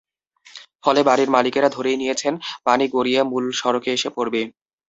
ফলে বাড়ির মালিকেরা ধরেই নিয়েছেন পানি গড়িয়ে মূল সড়কে এসে পড়বে।